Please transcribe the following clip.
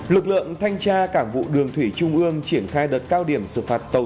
lực lượng thanh tra cảng vụ đường thủy trung ương triển khai đợt cao điểm xử phạt tàu